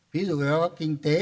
ví dụ báo cáo kinh tế